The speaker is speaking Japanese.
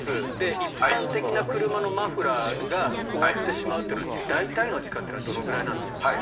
一般的な車のマフラーが覆ってしまうというのは大体の時間というのはどれくらいなんでしょう？